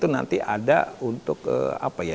nanti ada untuk apa ya